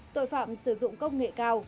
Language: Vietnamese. tội phạm sử dụng công nghệ cao